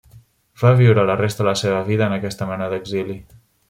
Va viure la resta de la seva vida en aquesta mena d'exili.